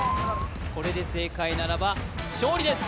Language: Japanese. これで正解ならば勝利です